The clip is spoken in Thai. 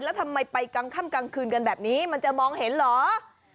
แล้วทำไมไปกลางค่ำกลางคืนกันแบบนี้มันจะมองเห็นเหรอ